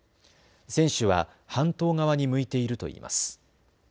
船首は半島側に向いているといいます。